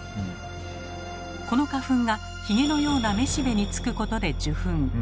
この花粉がヒゲのようなめしべにつくことで受粉。